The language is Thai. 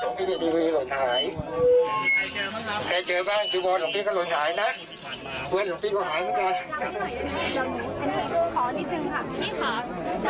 ตอนนี้ค่ะในส่วนของตำรวจ